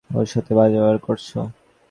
ওর সাথে বাজে ব্যবহার করেছো?